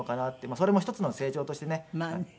それも一つの成長としてね。